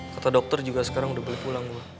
kata dokter juga sekarang udah boleh pulang gue